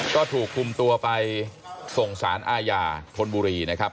ก็ถูกคุมตัวไปส่งสารอาญาธนบุรีนะครับ